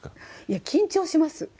いや緊張します。